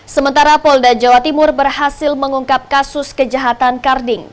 sementara polda jawa timur berhasil mengungkap kasus kejahatan karding